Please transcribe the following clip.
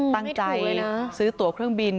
ตั้งใจซื้อตัวเครื่องบิน